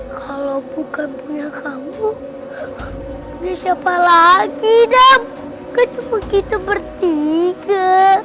kalau bukan punya kamu punya siapa lagi dah begitu bertiga